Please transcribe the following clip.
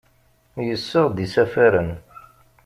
Yessaɣ-d isafaren.